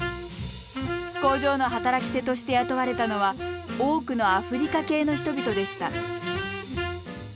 工場の働き手として雇われたのは多くのアフリカ系の人々でした。